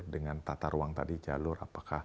dengan tata ruang tadi jalur apakah